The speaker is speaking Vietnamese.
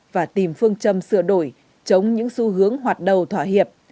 và tìm phương châm sửa đổi chống những xu hướng hoạt đầu thỏa hiệp